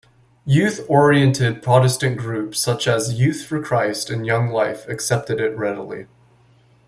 Youth-oriented Protestant groups such as Youth for Christ and Young Life accepted it readily.